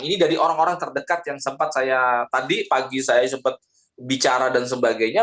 ini dari orang orang terdekat yang sempat saya tadi pagi saya sempat bicara dan sebagainya